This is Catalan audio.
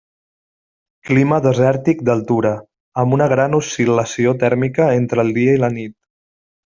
Clima desèrtic d'altura, amb una gran oscil·lació tèrmica entre el dia i la nit.